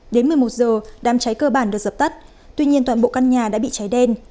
đến một mươi một giờ đám cháy cơ bản được dập tắt tuy nhiên toàn bộ căn nhà đã bị cháy đen